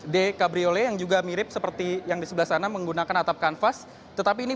tiga ratus tiga puluh d cabriolet yang juga mirip seperti yang di sebelah sana menggunakan atap kanvas tetapi ini